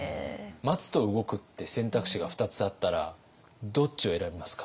「待つ」と「動く」って選択肢が２つあったらどっちを選びますか？